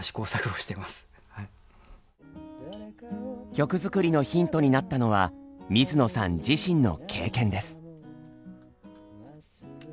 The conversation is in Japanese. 曲作りのヒントになったのは水野さん自身の経験です。